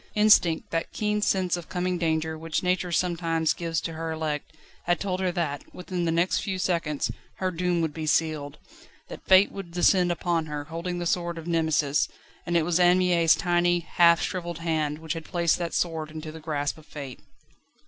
Instinct, that keen sense of coming danger which Nature sometimes gives to her elect, had told her that, within the next few seconds, her doom would be sealed; that Fate would descend upon her, holding the sword of Nemesis; and it was Anne Mie's tiny, half shrivelled hand which had placed that sword into the grasp of Fate.